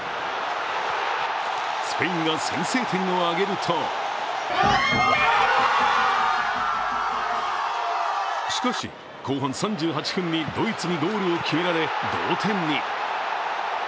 スペインが先制点を挙げるとしかし、後半３８分にドイツにゴールを決められ、同点に。